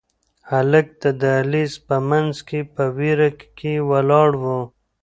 هلک د دهلېز په منځ کې په وېره کې ولاړ و.